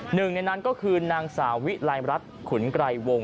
หนึ่งในนั้นก็คือนางสาวิไลรัฐขุนไกรวง